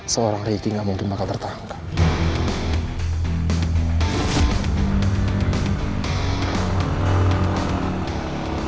seorang reiki gak mungkin bakal tertangkap